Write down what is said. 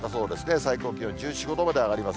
最高気温１４、５度まで上がります。